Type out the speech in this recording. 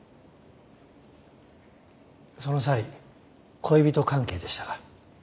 その際恋人関係でしたか？